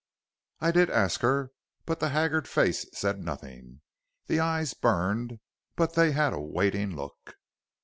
"I did ask her, but the haggard face said nothing. The eyes burned, but they had a waiting look.